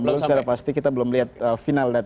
belum secara pasti kita belum lihat final